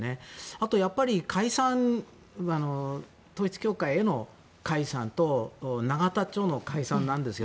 あと、統一教会への解散と永田町の解散なんですよ。